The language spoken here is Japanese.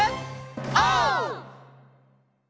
オー！